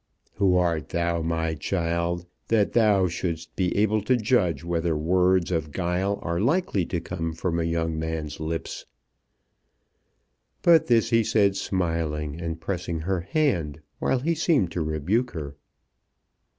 "Who art thou, my child, that thou shouldst be able to judge whether words of guile are likely to come from a young man's lips?" But this he said smiling and pressing her hand while he seemed to rebuke her.